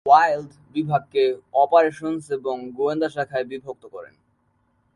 Wild বিভাগকে operations এবং গোয়েন্দা শাখায় বিভক্ত করেন।